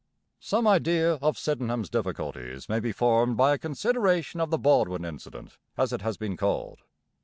Some idea of Sydenham's difficulties may be formed by a consideration of the Baldwin incident, as it has been called.